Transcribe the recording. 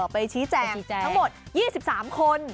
ไปชี้แจงทั้งหมด๒๓คน